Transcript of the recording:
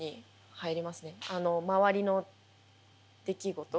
あの周りの出来事。